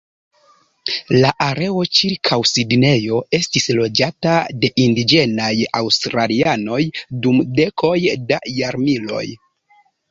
La areo ĉirkaŭ Sidnejo estis loĝata de indiĝenaj aŭstralianoj dum dekoj da jarmiloj.